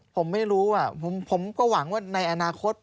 ผมไม่รู้ผมก็หวังว่าในอนาคต